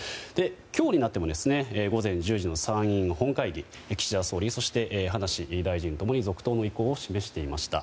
今日になって午前１０時の参院本会議岸田総理、そして葉梨大臣ともに続投の意向を示していました。